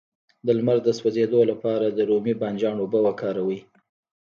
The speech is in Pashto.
د لمر د سوځیدو لپاره د رومي بانجان اوبه وکاروئ